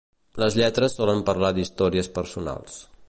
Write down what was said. Les lletres solen parlar d'històries personals.